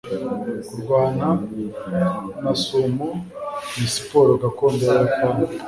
kurwana na sumo ni siporo gakondo y'abayapani